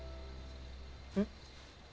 うん？